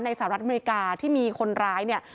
สหรัฐอเมริกาที่มีคนร้ายเนี่ย